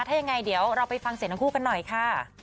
ถ้ายังไงเดี๋ยวเราไปฟังเสียงทั้งคู่กันหน่อยค่ะ